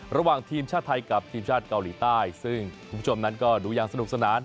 ระหว่างทีมชาติไทยกับทีมชาติเกาหลีใต้ซึ่งคุณผู้ชมนั้นก็ดูอย่างสนุกสนาน